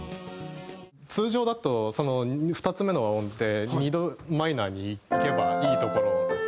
通常だと２つ目の和音って２度マイナーにいけばいいところを。